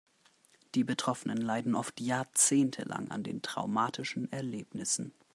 Die Betroffenen leiden oft jahrzehntelang an den traumatischen Erlebnissen.